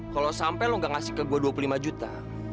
kalo sampe lu gak ngasih ke gue dua puluh lima juta